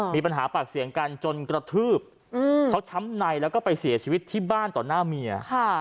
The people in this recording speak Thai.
มีปัญหาปากเสียงกันจนกระทืบเขาช้ำในแล้วก็ไปเสียชีวิตที่บ้านต่อหน้าเมีย